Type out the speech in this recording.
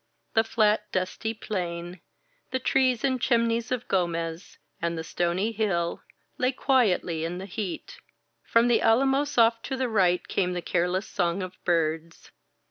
The flat, dusty plain, the trees and chimneys of Gomez, and the stony hill, lay quietly in the heat. From the alamos off to the right came the careless song of birds.